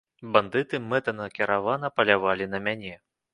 Бандыты мэтанакіравана палявалі на мяне.